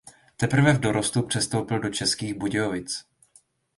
Teprve v dorostu přestoupil do Českých Budějovic.